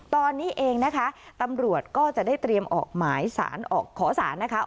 ตอนนี้เองนะคะตำรวจก็จะได้เตรียมออกหมายสารออกขอสารนะคะ